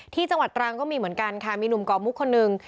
จังหวัดตรังก็มีเหมือนกันค่ะมีหนุ่มก่อมุกคนหนึ่ง